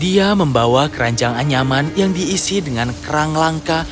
dia membawa keranjang anyaman yang diisi dengan kerang langka